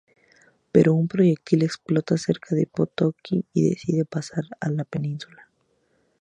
Pero un proyectil explota cerca y Potocki decide pasar a la Península.